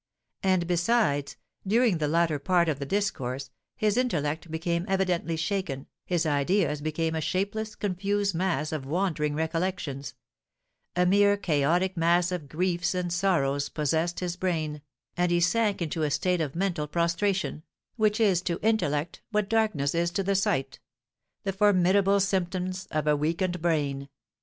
And besides, during the latter part of the discourse, his intellect became evidently shaken, his ideas became a shapeless, confused mass of wandering recollections; a mere chaotic mass of griefs and sorrows possessed his brain, and he sank into a state of mental prostration, which is to intellect what darkness is to the sight, the formidable symptoms of a weakened brain.